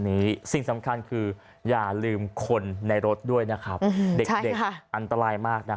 นี้สิ่งสำคัญคืออย่าลืมคนในรถด้วยนะครับอันตรายมากนะ